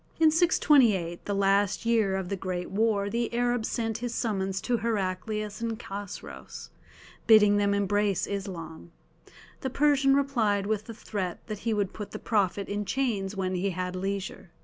In 628, the last year of the great war, the Arab sent his summons to Heraclius and Chosroës, bidding them embrace Islam. The Persian replied with the threat that he would put the Prophet in chains when he had leisure.